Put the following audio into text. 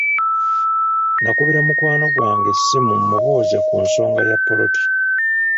Nakubira mukwano gwange essimu mmubuuze ku nsonga ya ppoloti.